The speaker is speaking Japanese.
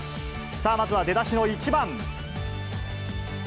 さあ、まずは出だしの１番。